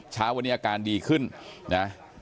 เช้าวันนี้อาการดีขึ้นนะ